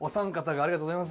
ありがとうございます。